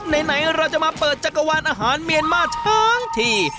ไหนเราจะมาเปิดจักรวาลอาหารเมียนมาทั้งที